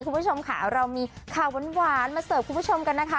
คุณผู้ชมค่ะเรามีข่าวหวานมาเสิร์ฟคุณผู้ชมกันนะคะ